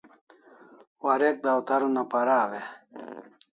Warek dawtar una paraw e?